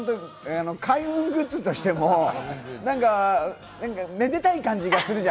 開運グッズとしても何か、めでたい感じがするじゃん。